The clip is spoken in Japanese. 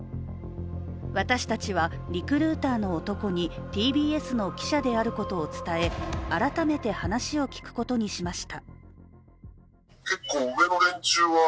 私たちはリクルーターの男にＴＢＳの記者であることを伝え改めて話を聞くことにしました。